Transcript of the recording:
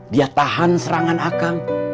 dia tahan serangan akang